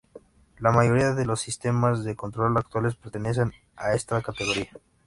La mayoría de los sistemas de control actuales pertenecen a esta categoría.